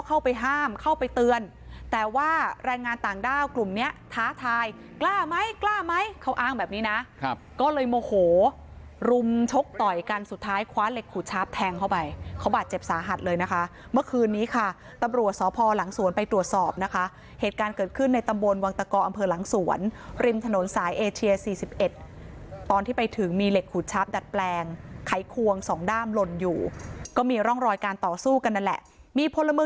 ตั้งแบบนี้นะครับก็เลยโมโหรุมชกต่อยกันสุดท้ายคว้าเหล็กขุดชาบแทงเข้าไปเขาบาดเจ็บสาหัสเลยนะคะเมื่อคืนนี้ค่ะตำรวจสพหลังสวนไปตรวจสอบนะคะเหตุการณ์เกิดขึ้นในตำบลวงตะกอำเภอหลังสวนริมถนนสายเอเชียร์๔๑ตอนที่ไปถึงมีเหล็กขุดชาบดัดแปลงไขควงสองด้ามลนอยู่ก็มีร่องรอยการต่อสู้